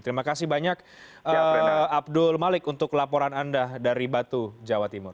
terima kasih banyak abdul malik untuk laporan anda dari batu jawa timur